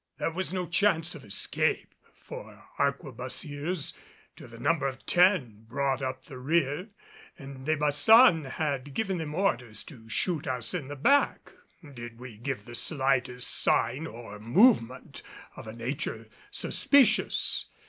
There was no chance of escape, for arquebusiers to the number of ten brought up the rear, and De Baçan had given them orders to shoot us in the back did we give the slightest sign or movement of a nature suspicious.